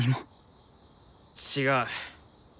違う。